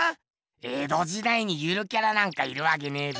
江戸時代にゆるキャラなんかいるわけねえべ。